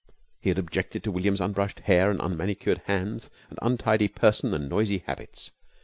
He had objected to William's unbrushed hair and unmanicured hands, and untidy person, and noisy habits.